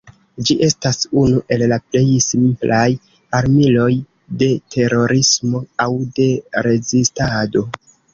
Ĝi estas unu el la plej simplaj armiloj de terorismo aŭ de rezistado.